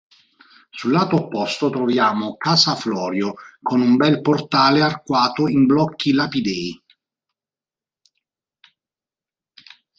Sul lato opposto troviamo Casa Florio, con un bel portale arcuato in blocchi lapidei.